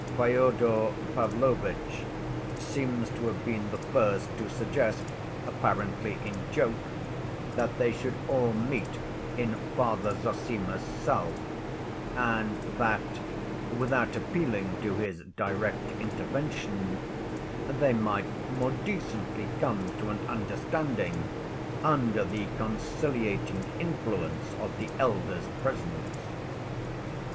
Fyodor Pavlovitch seems to have been the first to suggest, apparently in joke, that they should all meet in Father Zossima's cell, and that, without appealing to his direct intervention, they might more decently come to an understanding under the conciliating influence of the elder's presence.